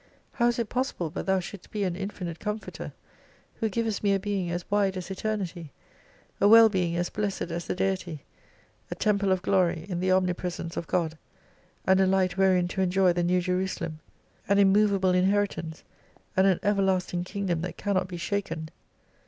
How is it possible, but Thou shouldst be an infinite Comforter ; who givest me a being as wide as eternity ; a well being as blessed as the Deity ; a temple of glory in the omnipresence of God, and a light wherein to en joy the New Jerusalem ! An immovable inheritance, and an everlasting Kingdom that cannot be shaken